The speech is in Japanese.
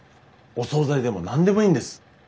お総菜でも何でもいいんです。